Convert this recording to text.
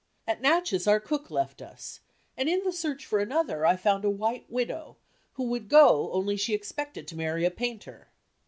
At Natchez our cook left us and in the search for another I found a white widow who would go, only she expected to marry a painter.